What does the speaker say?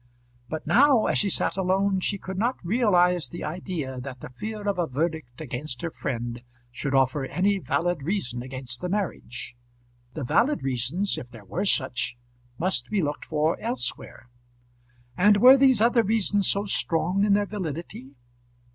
But now, as she sat alone, she could not realise the idea that the fear of a verdict against her friend should offer any valid reason against the marriage. The valid reasons, if there were such, must be looked for elsewhere. And were these other reasons so strong in their validity?